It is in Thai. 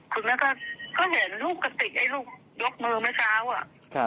คุณแม่ก็เห็นลูกกระติกไอ้ลูกยกมือเมื่อเช้าอ่ะ